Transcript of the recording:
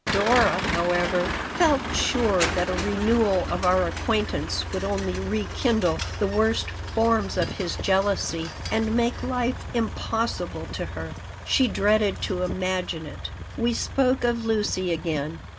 Dora, however, felt sure that a renewal of our acquaintance would only rekindle the worst forms of his jealousy and make life impossible to her. She dreaded to imagine it We spoke of Lucy again.